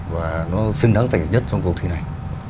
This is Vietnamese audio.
và nó xứng đáng giải nhất trong cuộc thi này